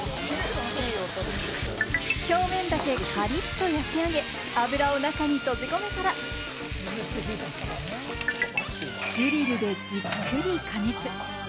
表面だけカリッと焼き上げ、脂を中に閉じ込めたら、グリルでじっくり加熱。